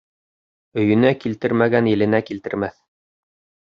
Өйөнә килтермәгән иленә килтермәҫ.